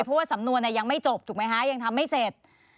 เพราะว่าสำนวนยังไม่จบถูกไหมคะยังทำไม่เสร็จ